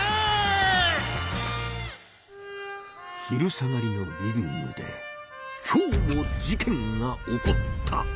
昼下がりのリビングで今日も事件が起こった。